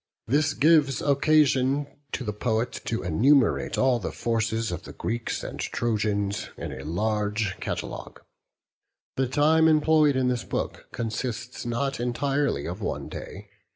This gives occasion to the poet to enumerate all the forces of the Greeks and Trojans, in a large catalogue. The time employed in this book consists not entirely of one day.